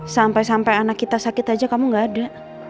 sampai sampai anak kita sakit aja kamu gak ada